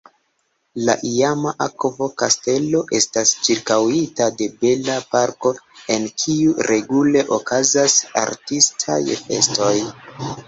La iama akvo-kastelo estas ĉirkaŭita de bela parko, en kiu regule okazas artistaj festoj.